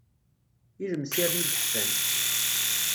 Ilemsiren i yeḥfan.